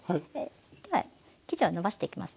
では生地をのばしていきますね。